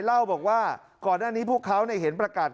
เล่าบอกว่าก่อนหน้านี้พวกเขาเห็นประกาศ